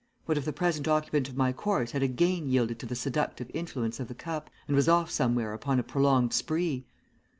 What if the present occupant of my corse had again yielded to the seductive influence of the cup, and was off somewhere upon a prolonged spree?